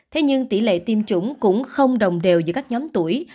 thế nhưng tỷ lệ tiêm chủng cũng không đồng đều giữa các nhóm tuổi